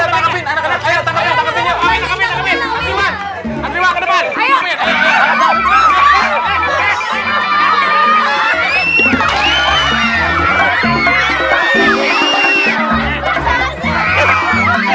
dia pasuk ke sana